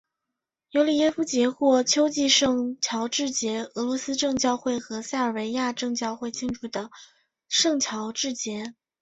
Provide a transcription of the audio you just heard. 尤里耶夫节或秋季圣乔治节俄罗斯正教会和塞尔维亚正教会庆祝的圣乔治节。